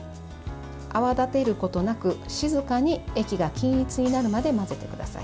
泡立てることなく静かに液が均一になるまで混ぜてください。